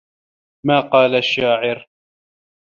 مَا قَالَ الشَّاعِرُ